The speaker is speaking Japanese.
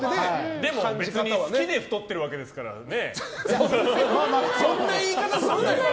でも別に好きで太ってるわけですからね。